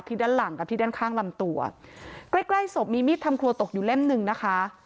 ด้านหลังกับที่ด้านข้างลำตัวใกล้ใกล้ศพมีมีดทำครัวตกอยู่เล่มหนึ่งนะคะ